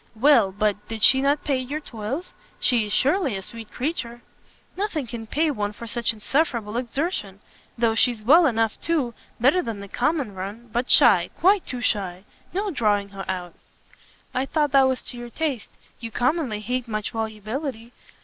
"Well but, did she not pay your toils? She is surely a sweet creature." "Nothing can pay one for such insufferable exertion! though she's well enough, too better than the common run, but shy, quite too shy; no drawing her out." "I thought that was to your taste. You commonly hate much volubility.